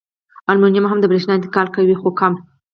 المونیم هم د برېښنا انتقال کوي خو کم.